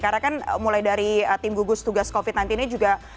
karena kan mulai dari tim gugus tugas covid nanti ini juga